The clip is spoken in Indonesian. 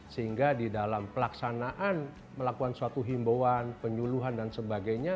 sehingga di dalam pelaksanaan melakukan suatu himbauan penyuluhan dan sebagainya